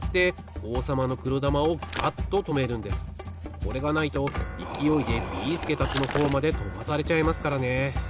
これがないといきおいでビーすけたちのほうまでとばされちゃいますからね。